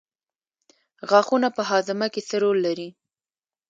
غاښونه په هاضمه کې څه رول لري